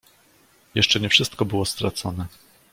"Jeszcze nie wszystko było stracone."